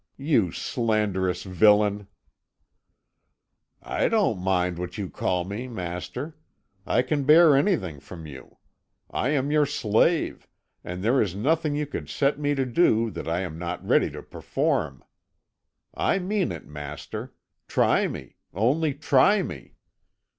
"You slanderous villain!" "I don't mind what you call me, master. I can bear anything from you. I am your slave, and there is nothing you could set me to do that I am not ready to perform. I mean it, master. Try me only try me!